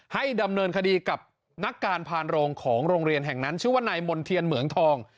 ให้ดำเนินคดีกับนักการพานโรงของโรงเรียนแห่งนั้นชื่อว่านายมณ์เทียนเหมืองทอง